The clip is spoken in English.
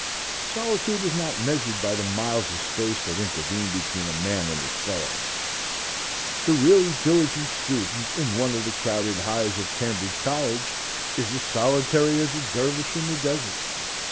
Solitude is not measured by the miles of space that intervene between a man and his fellows. The really diligent student in one of the crowded hives of Cambridge College is as solitary as a dervish in the desert.